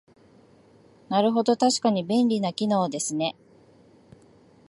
なるほど、確かに便利な機能ですね